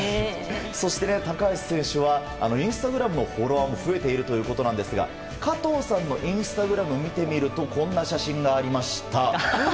そして高橋選手はインスタグラムのフォロワーも増えているということなんですが加藤さんのインスタグラムを見てみるとこんな写真がありました。